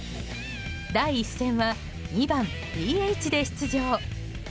第１戦は２番ＤＨで出場。